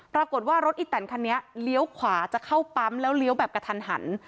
ปรากฏว่ารถอีแตนคันนี้เลี้ยวขวาจะเข้าปั๊มแล้วเลี้ยวแบบกระทันหัน